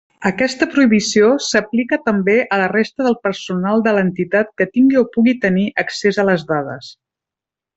Aquesta prohibició s'aplica també a la resta del personal de l'entitat que tingui o pugui tenir accés a les dades.